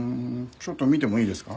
ちょっと見てもいいですか？